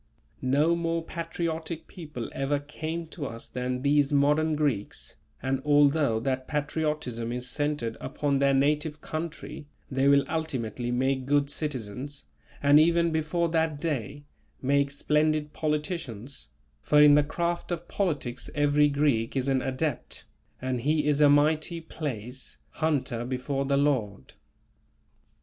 No more patriotic people ever came to us than these modern Greeks, and although that patriotism is centred upon their native country, they will ultimately make good citizens, and even before that day, make splendid politicians; for in the craft of politics every Greek is an adept, and he is a "Mighty (place) hunter before the Lord."